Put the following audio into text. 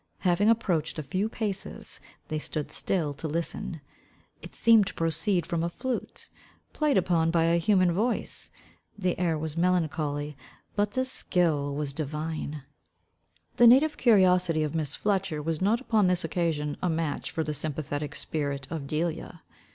Having approached a few paces, they stood still to listen. It seemed to proceed from a flute, played upon by a human voice. The air was melancholy, but the skill was divine. The native curiosity of Miss Fletcher was not upon this occasion a match for the sympathetic spirit of Delia.